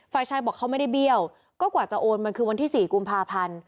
ฝ่ายชายบอกเขาไม่ได้เบี้ยวก็กว่าจะโอนมันคือวันที่๔กุมภาพันธ์